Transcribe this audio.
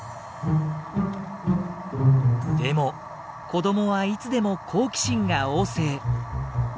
でも子どもはいつでも好奇心が旺盛。